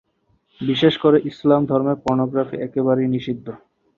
বিশেষ করে ইসলাম ধর্মে পর্নোগ্রাফি একেবারে নিষেধ।